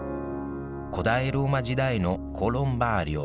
古代ローマ時代のコロンバーリオ。